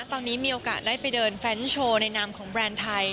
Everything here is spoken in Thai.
ตอนนี้มีโอกาสได้ไปเดินแฟรนด์โชว์ในนามของแบรนด์ไทย